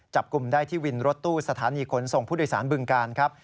จับกลุ่มได้ที่วินรถตู้สถานีขนส่งผู้โดยสารบึงการครับ